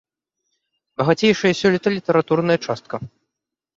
Багацейшая сёлета літаратурная частка.